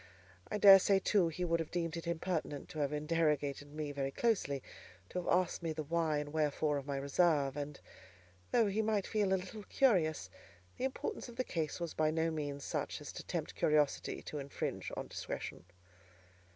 I daresay, too, he would have deemed it impertinent to have interrogated me very closely, to have asked me the why and wherefore of my reserve; and, though he might feel a little curious, the importance of the case was by no means such as to tempt curiosity to infringe on discretion.